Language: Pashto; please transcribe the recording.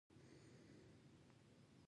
قدرت د ستورو بقا تضمینوي.